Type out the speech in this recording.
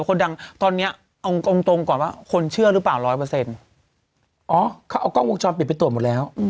คนดังตอนนี้เอาตรงตรงก่อนว่าคนเชื่อหรือเปล่าร้อยเปอร์เซ็นต์อ๋อเขาเอากล้องวงจรปิดไปตรวจหมดแล้ว